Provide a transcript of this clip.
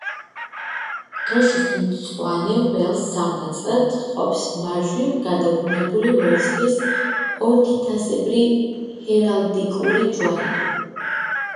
დროშის მწვანე ველს სამ ნაწილად ჰყოფს მარჯვნივ გადაბრუნებული ვერცხლის ორთითასებრი ჰერალდიკური ჯვარი.